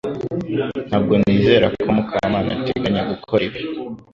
Ntabwo nizera ko Mukamana ateganya gukora ibi